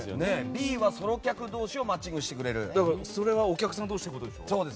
Ｂはソロ客同士をマッチングしてくれるそれはお客さん同士ってことでしょ？